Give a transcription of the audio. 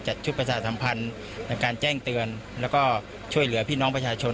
จัดชุดประชาสัมพันธ์ในการแจ้งเตือนแล้วก็ช่วยเหลือพี่น้องประชาชน